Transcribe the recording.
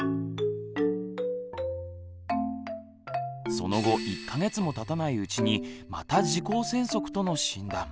その後１か月もたたないうちにまた「耳垢栓塞」との診断。